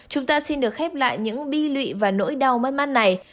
chúng ta xin được khép lại những bi lụy và nỗi đau mất mát này